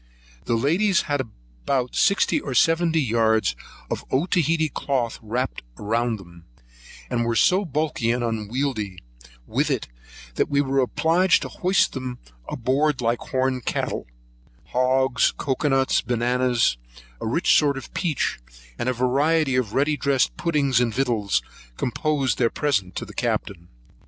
The ladies had about sixty or seventy yards of Otaheitee cloth wrapt round them, and were so bulky and unwieldy with it, they were obliged to be hoisted on board like horn cattle: hogs, cocoa nuts, bananas, a rich sort of peach, and a variety of ready dressed puddings and victuals, composed their present to the Captain.